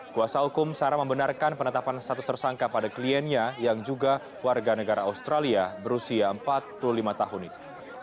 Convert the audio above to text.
kuasa hukum sarah membenarkan penetapan status tersangka pada kliennya yang juga warga negara australia berusia empat puluh lima tahun itu